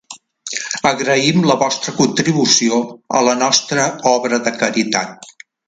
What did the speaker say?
Agraïm la vostra contribució a la nostra obra de caritat.